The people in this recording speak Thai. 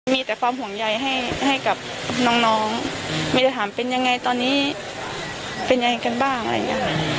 มีแต่ความห่วงใยให้กับน้องไม่ได้ถามเป็นยังไงตอนนี้เป็นยังไงกันบ้างอะไรอย่างนี้